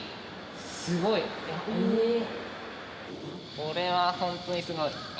これは本当にすごい。